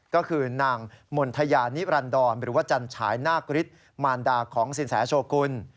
ก็คือนางมณฑยานิรันดรหรือว่าจันฉายนาคฤทธิ์มารดาของสินแสโชกุล